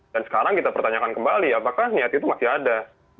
dan sekarang kita pertanyakan kembali apakah niat itu masih ada